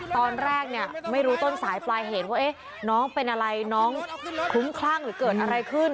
ตอนแรกเนี่ยไม่รู้ต้นสายปลายเหตุว่าน้องเป็นอะไรน้องคลุ้มคลั่งหรือเกิดอะไรขึ้น